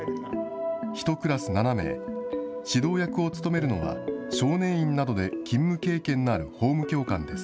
１クラス７名、指導役を務めるのは、少年院などで勤務経験のある法務教官です。